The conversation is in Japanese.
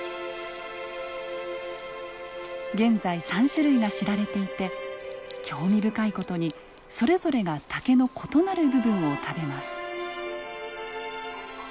現在３種類が知られていて興味深い事にそれぞれが竹の異なる部分を食べます。